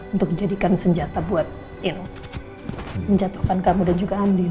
untuk menjadikan senjata buat you know menjatuhkan kamu dan juga andin